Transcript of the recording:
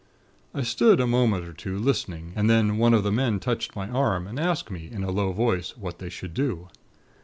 "I stood a moment or two, listening, and then one of the men touched my arm, and asked me in a low voice, what they should do.